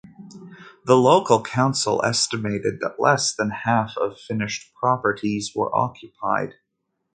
The local council estimated that less than half of finished properties were occupied.